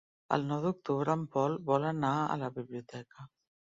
El nou d'octubre en Pol vol anar a la biblioteca.